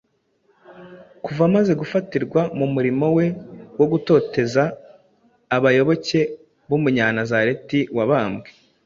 Kuva amaze gufatirwa mu murimo we wo gutoteza abayoboke b’Umunyanazareti wabambwe,